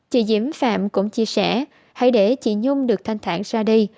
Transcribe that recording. chị diễm phạm cũng chia sẻ hãy để chị nhung được thanh thản ra đi